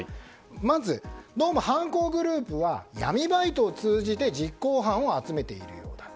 まず、どうも犯行グループは闇バイトを通じて実行犯を集めているようだと。